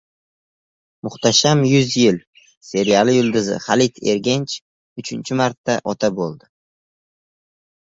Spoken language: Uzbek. “Muhtasham yuz yil” seriali yulduzi Halit Ergench uchinchi marta ota bo‘ldi